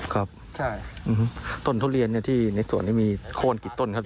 ครับใช่อื้อฮึต้นทุเรียนเนี่ยที่ในส่วนนี้มีโคลนกี่ต้นครับ